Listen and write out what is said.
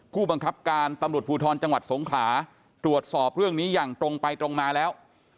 ผู้บังคับการตำรวจภูทรจังหวัดสงขลาตรวจสอบเรื่องนี้อย่างตรงไปตรงมาแล้ว